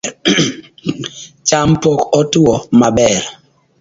Cham pok otuo maber